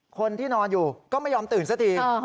คนที่นอนอยู่ก็ไม่ยอมตื่นซะที